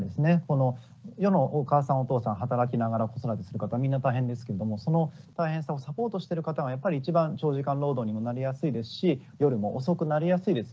この世のお母さんお父さん働きながら子育てする方みんな大変ですけれどもその大変さをサポートしてる方がやっぱり一番長時間労働にもなりやすいですし夜も遅くなりやすいですよね。